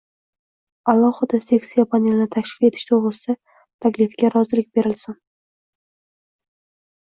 Alohida seksiya panelini tashkil etish to‘g‘risidagi taklifiga rozilik berilsin.